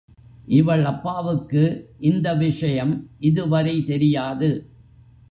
இவள் அப்பாவுக்கு இந்த விஷயம் இதுவரை தெரியாது.